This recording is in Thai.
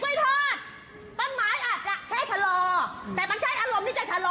เวลาเรื่องน้องชายผมนะเขาจะคิดแค่มิวสินมาก